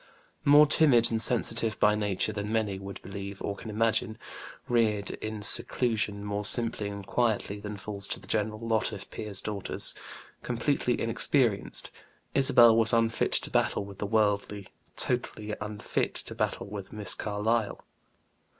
More timid and sensitive by nature than many would believe or can imagine, reared in seclusion more simply and quietly than falls to the general lot of peers' daughters, completely inexperienced, Isabel was unfit to battle with the world totally unfit to battle with Miss Carlyle.